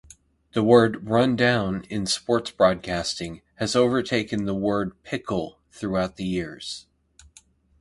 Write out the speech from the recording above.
The word rundown in sports broadcasting has overtaken the word pickle throughout the years.